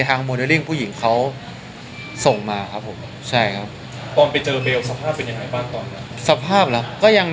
ก็เป็นปกติครับ